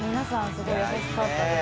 すごい優しかったです」